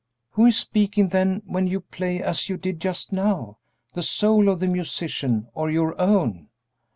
"Who is speaking, then, when you play as you did just now the soul of the musician or your own?"